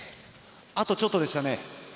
あとちょっとでしたね。